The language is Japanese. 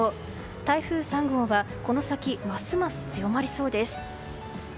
台風３号はこの先、ますます強まりそうです。